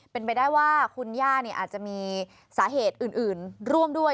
เป็นไปได้ว่าคุณย่าอาจจะมีสาเหตุอื่นร่วมด้วย